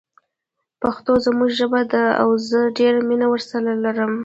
پښتو زموږ ژبه ده او زه ډیره مینه ورسره لرم